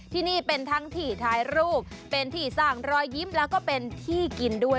ที่นี่เป็นทั้งที่ถ่ายรูปเป็นที่สร้างรอยยิ้มแล้วก็เป็นที่กินด้วย